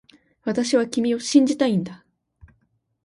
私は君を信じたいんだ